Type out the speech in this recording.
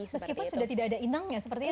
meskipun sudah tidak ada inangnya seperti itu